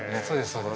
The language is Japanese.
そうです